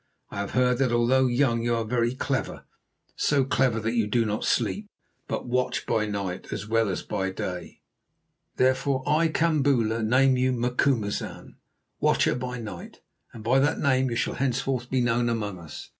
I have heard that although young you are very clever, so clever that you do not sleep, but watch by night as well as by day. Therefore, that I, Kambula, name you Macumazahn, Watcher by night, and by that name you shall henceforth be known among us.